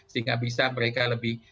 sehingga bisa mereka lebih